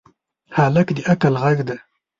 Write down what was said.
هلک د عقل غږ دی.